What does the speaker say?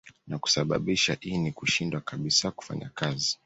Na kusababisha ini kushindwa kabisa kufanya kazi